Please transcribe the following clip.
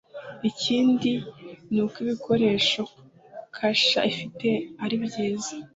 ikindi ni uko ibikoresho Kasha ifite ari byiza